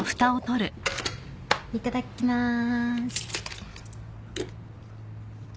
いただきまーす。